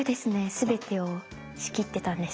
全てを仕切ってたんですね。